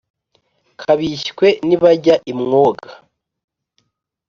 kabishywe nibajya i mwonga,